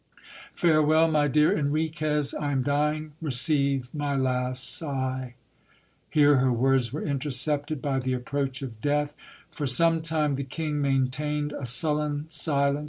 Farewell, my dear Enriquez I am dying Re ceive my last sigh. Here her words were intercepted by the approach of death. For some time A URORA ARRIVES A T SALAMANCA. 1 35 the king maintained a sullen silence.